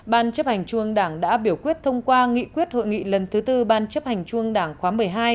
ban chấp hành chuông đảng đã biểu quyết thông qua nghị quyết hội nghị lần thứ tư ban chấp hành chuông đảng khóa một mươi hai